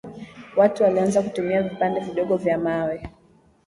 watu walianza kutumia vipande vidogo vya mawe